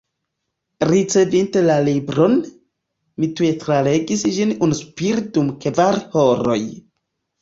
Ricevinte la libron, mi tuj tralegis ĝin unuspire dum kvar horoj.